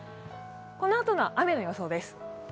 このあとの雨の予想です。